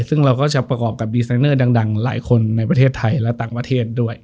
ซึ่งเราก็จะประกอบกับดีไซนเนอร์ดังหลายคนในประเทศไทยและต่างประเทศด้วย